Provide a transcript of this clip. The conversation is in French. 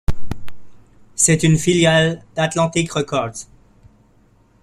C'est une filiale d'Atlantic Records.